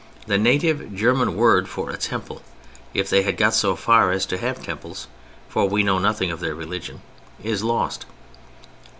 The native German word for a temple—if they had got so far as to have temples (for we know nothing of their religion)—is lost.